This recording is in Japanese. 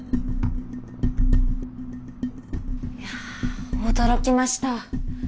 いやあ驚きました。